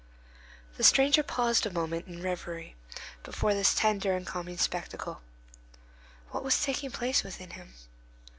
The stranger paused a moment in reverie before this tender and calming spectacle. What was taking place within him?